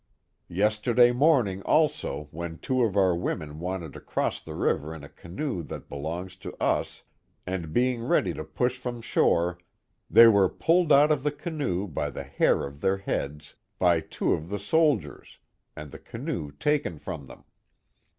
Yesterday morning, also, when two of our women wanted to cross the river in a canoe that belongs to us, and being ready to push from shore, they were pulled out of the canoe by the hair of their heads, by two of the soldiers, and the canoe taken from them.